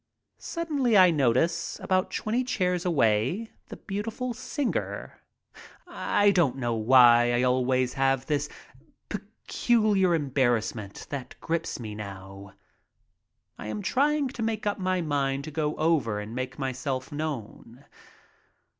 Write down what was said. Suddenly I notice, about twenty chairs away, the beauti ful singer. I don't know why I always have this peculiar 4 34 MY TRIP ABROAD embarrassment that grips me now. I am trying to make up my mind to go over and make myself known.